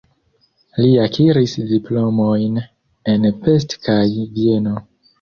Li akiris diplomojn en Pest kaj Vieno.